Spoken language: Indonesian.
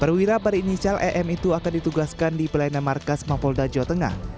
perwira berinisial em itu akan ditugaskan di pelayanan markas mapolda jawa tengah